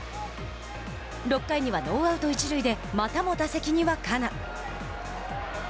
６回にはノーアウト、一塁でまたも打席にはカナ。